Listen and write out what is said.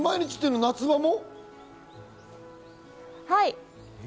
はい。